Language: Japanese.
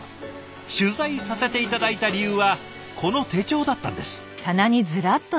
取材させて頂いた理由はこの手帳だったんです。